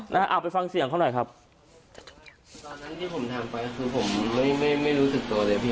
เอาไปฟังเสียงเขาหน่อยครับตอนนั้นที่ผมทำไปคือผมไม่ไม่ไม่รู้สึกตัวเลยพี่